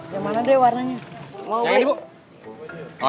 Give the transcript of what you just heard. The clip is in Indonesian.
yang mana deh warnanya